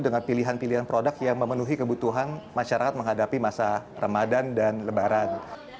dengan pilihan pilihan produk yang memenuhi kebutuhan masyarakat menghadapi masa ramadan dan lebaran